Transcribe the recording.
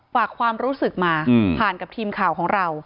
ความรู้สึกมาผ่านกับทีมข่าวของเรา